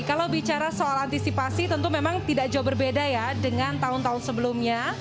kalau bicara soal antisipasi tentu memang tidak jauh berbeda ya dengan tahun tahun sebelumnya